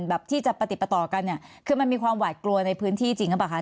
แบบที่จะปฏิปต่อกันเนี่ยคือมันมีความหวาดกลัวในพื้นที่จริงหรือเปล่าคะ